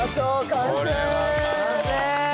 完成！